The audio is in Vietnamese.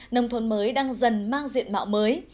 nông thôn mới đang dần mang diện mạo mới